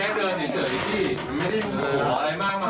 ไม่ได้หัวอะไรมากมาย